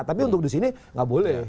tapi untuk di sini nggak boleh